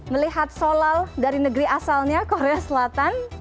melihat solal dari negeri asalnya korea selatan